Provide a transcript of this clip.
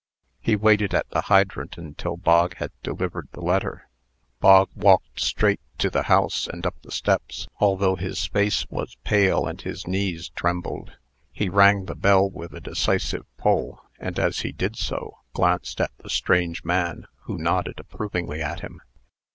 He waited at the hydrant until Bog had delivered the letter. Bog walked straight to the house, and up the steps, although his face was pale, and his knees trembled. He rang the bell with a decisive pull, and, as he did so, glanced at the strange man, who nodded approvingly at him.